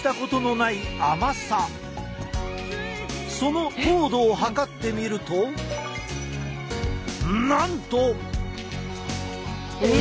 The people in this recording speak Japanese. その糖度を測ってみるとなんと。え！